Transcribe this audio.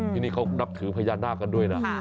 ที่นี่เขานับถือพญานาคกันด้วยนะ